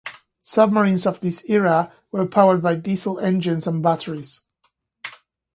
Submarines of this era were powered by diesel engines and batteries.